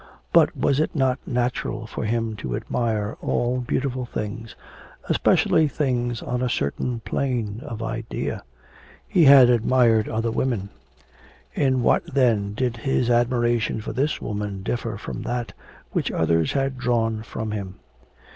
But was it not natural for him to admire all beautiful things, especially things on a certain plane of idea? He had admired other women: in what then did his admiration for this woman differ from that, which others had drawn from him?